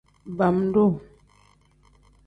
Bam-duu.